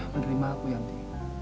menerima aku yanti